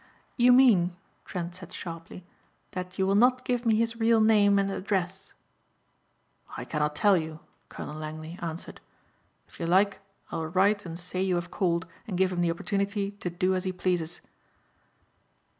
"You mean," Trent said sharply, "that you will not give me his real name and address?" "I cannot tell you," Colonel Langley answered. "If you like I will write and say you have called and give him the opportunity to do as he pleases."